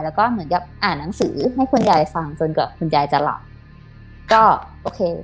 แล้วก็เหมือนกับอ่านหนังสือให้คุณยายฟังจนกว่าคุณยายจะหลับก็โอเค